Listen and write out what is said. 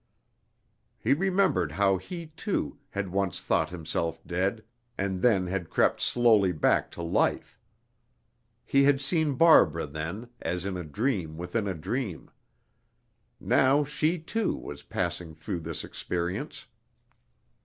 He remembered how he, too, had once thought himself dead, and then had crept slowly back to life. He had seen Barbara then, as in a dream within a dream. Now she, too, was passing through this experience.